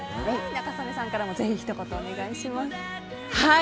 仲宗根さんからもぜひ、ひと言お願いします。